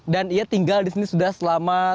dan ia tinggal disini sudah selama